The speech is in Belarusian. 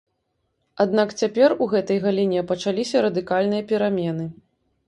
Аднак цяпер у гэтай галіне пачаліся радыкальныя перамены.